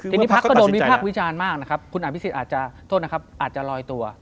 ที่นี่พลักษณ์ก็โดนวิพากษ์วิจาณมากนะครับคุณอภิสิตอาจจะโยนตัว